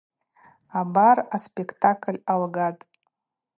Абар аспектакль алгатӏ.